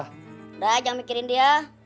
udah jangan mikirin dia